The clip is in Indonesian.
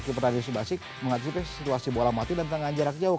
kini pertanyaan dari subasik mengatasi situasi bola mati dan tendangan jarak jauh